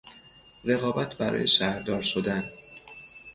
رقابت برای شهردار شدن